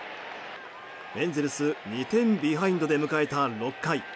エンゼルス２点ビハインドで迎えた６回。